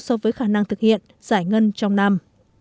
so với khả năng thực hiện giải ngân trong năm